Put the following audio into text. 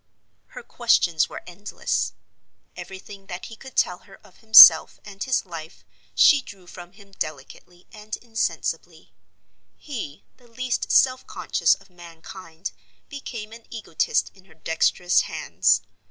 Her questions were endless. Everything that he could tell her of himself and his life she drew from him delicately and insensibly: he, the least self conscious of mankind, became an egotist in her dexterous hands.